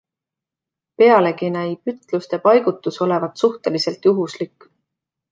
Pealegi näib ütluste paigutus olevat suhteliselt juhuslik.